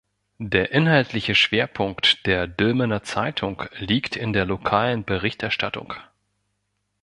Der inhaltliche Schwerpunkt der "Dülmener Zeitung" liegt in der lokalen Berichterstattung.